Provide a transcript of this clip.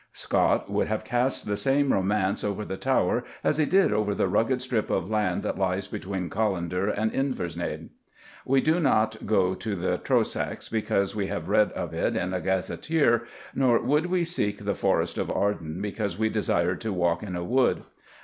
Scott would have cast the same romance over the Tower as he did over the rugged strip of land that lies between Callander and Inversnaid. We do not go to the Trossachs because we have read of it in a gazetteer, nor would we seek the Forest of Arden because we desired to walk in a wood.